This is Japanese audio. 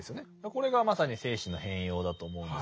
これがまさに精神の変容だと思うんですよね。